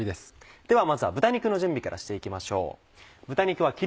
ではまずは豚肉の準備からしていきましょう。